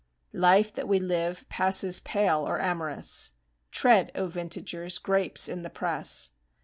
Life that we live passes pale or amorous. (Tread, O vintagers, grapes in the press!)